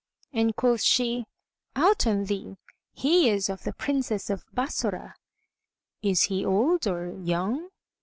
and quoth she, "Out on thee! He is of the Princes of Bassorah." "Is he old or young?"